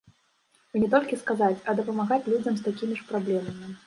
І не толькі сказаць, а дапамагаць людзям з такімі ж праблемамі.